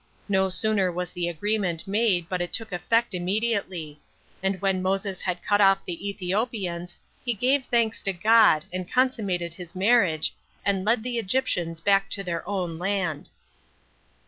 No sooner was the agreement made, but it took effect immediately; and when Moses had cut off the Ethiopians, he gave thanks to God, and consummated his marriage, and led the Egyptians back to their own land.